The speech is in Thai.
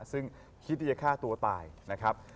ซึ่งคิดที่จะฆ่าตัวตายนะครับ